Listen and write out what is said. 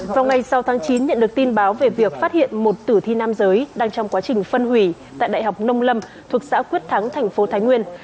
vào ngày sáu tháng chín nhận được tin báo về việc phát hiện một tử thi nam giới đang trong quá trình phân hủy tại đại học nông lâm thuộc xã quyết thắng thành phố thái nguyên